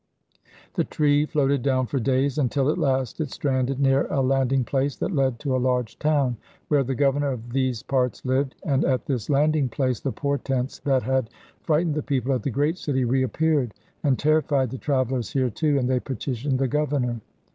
The tree floated down for days, until at last it stranded near a landing place that led to a large town, where the governor of these parts lived; and at this landing place the portents that had frightened the people at the great city reappeared and terrified the travellers here too, and they petitioned the governor.